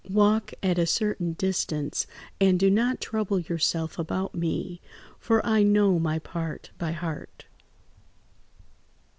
Walk at a certain distance, and do not trouble yourself about me, for I know my part by heart."